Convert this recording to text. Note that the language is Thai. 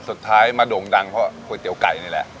สุดท้ายมาโด่งดังเพราะก๋วยเตี๋ยวไก่นี่แหละ